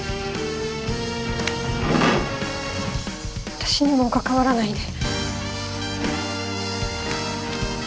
私にもう関わらないで。